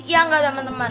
iya nggak teman teman